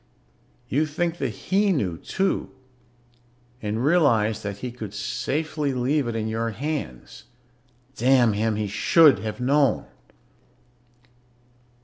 You think that he knew, too, and realize that he could safely leave it in your hands. Damn him, he should have known.